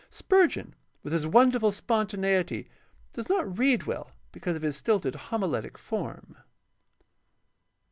Spurgeon, with his wonderful spontaneity, does not read well, because of his stilted homiletic form.